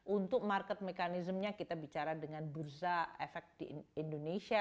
untuk market mechanismnya kita bicara dengan bursa efek di indonesia